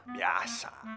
kamu kurang ajar ama ama lo